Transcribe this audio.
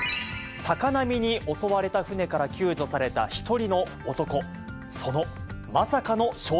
高波に襲われた船から救助された１人の男。